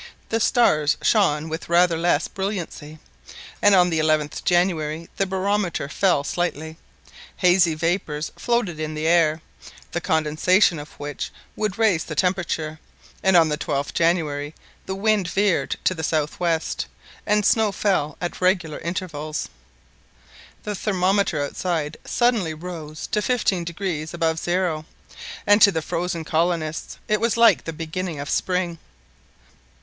The stars shone with rather less brilliancy, and on the 11th January the barometer fell slightly; hazy vapours floated in the air, the condensation of which would raise the temperature; and on the 12th January the wind veered to the south west, and snow fell at irregular intervals. The thermometer outside suddenly rose to 15° above zero, and to the frozen colonists it was like the beginning of spring.